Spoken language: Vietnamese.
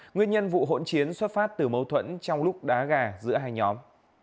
nguyên nhân vụ hỗn chiến xuất phát từ mâu thuẫn trong lúc đá gà giữa hai nhóm